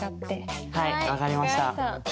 はい分かりました。